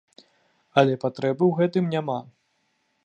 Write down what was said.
Але патрэбы ў гэтым няма.